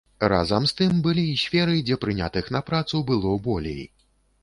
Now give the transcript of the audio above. Разам з тым былі і сферы, дзе прынятых на працу было болей.